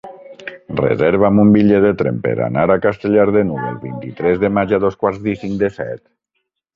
Reserva'm un bitllet de tren per anar a Castellar de n'Hug el vint-i-tres de maig a dos quarts i cinc de set.